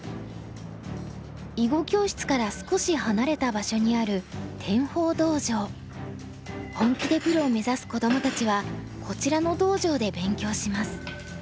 囲碁教室から少し離れた場所にある本気でプロを目指す子どもたちはこちらの道場で勉強します。